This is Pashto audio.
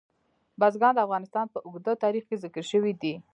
بزګان د افغانستان په اوږده تاریخ کې ذکر شوی دی.